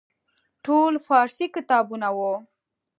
ټول فارسي کتابونه وو.